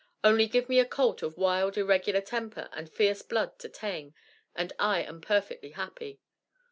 Only give me a colt of wild, irregular temper and fierce blood to tame, and I am perfectly happy.